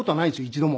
一度も。